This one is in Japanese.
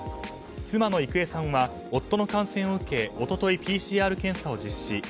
妻の郁恵さんは夫の感染を受け一昨日、ＰＣＲ検査を実施。